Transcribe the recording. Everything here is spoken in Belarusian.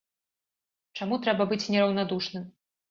Чаму трэба быць нераўнадушным?